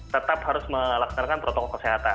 tetap harus melaksanakan protokol kesehatan